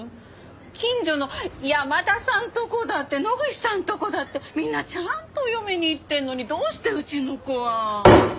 近所の山田さんとこだって野口さんとこだってみんなちゃんとお嫁に行ってんのにどうしてうちの子は。